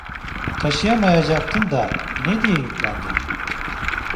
Taşıyamayacaktın da ne diye yüklendin…